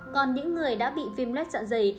còn những người đã bị phim lết dặn dày